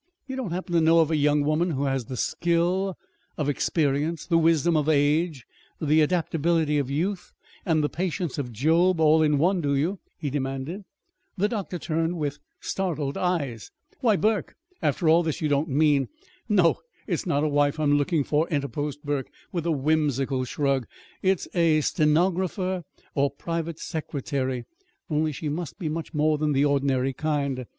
"You don't happen to know of a young woman who has the skill of experience, the wisdom of age, the adaptability of youth, and the patience of Job all in one, do you?" he demanded. The doctor turned with startled eyes. "Why, Burke, after all this, you don't mean " "No, it's not a wife I'm looking for," interposed Burke, with a whimsical shrug. "It's a a stenographer or private secretary, only she must be much more than the ordinary kind.